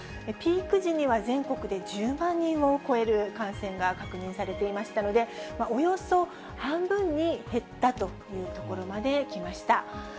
ピーク時には全国で１０万人を超える感染が確認されていましたので、およそ半分に減ったというところまで来ました。